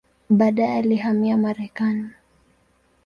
Baadaye alihamia Marekani.